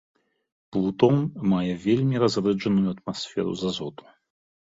Плутон мае вельмі разрэджаную атмасферу з азоту.